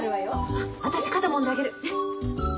あっ私肩もんであげる。ね。